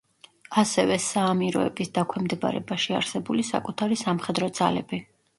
ასევე საამიროების დაქვემდებარებაში არსებული საკუთარი სამხედრო ძალები.